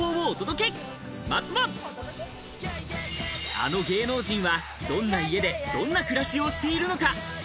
あの芸能人はどんな家で、どんな暮らしをしているのか。